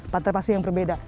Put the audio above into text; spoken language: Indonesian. pantai pasti yang berbeda